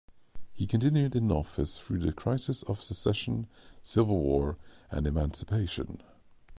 He continued in office through the crises of secession, Civil War, and emancipation.